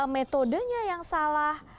metodenya yang salah